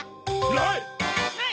ない！